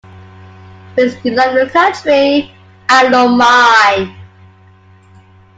Whilst you love your country, I love mine.